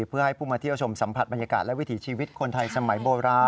เพื่อให้ผู้มาเที่ยวชมสัมผัสบรรยากาศและวิถีชีวิตคนไทยสมัยโบราณ